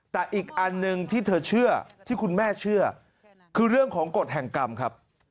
แต่อีกอันหนึ่งที่เธอเชื่อที่คุณแม่เชื่อคือเรื่องของกฎแห่งกรรมครับ